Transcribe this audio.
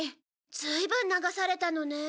ずいぶん流されたのね。